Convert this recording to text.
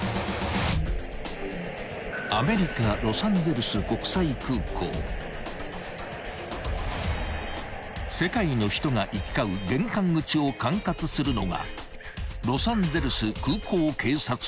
⁉ＬＧ２１［世界の人が行き交う玄関口を管轄するのが］